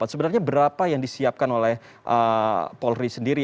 sebenarnya berapa yang disiapkan oleh polri sendiri